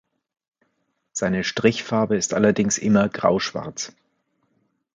Seine Strichfarbe ist allerdings immer grauschwarz.